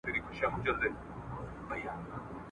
دغه که ګناه وي زه پخوا دوږخ منلی یم ..